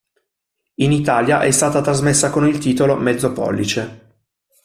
In Italia è stata trasmessa con il titolo "Mezzo Pollice".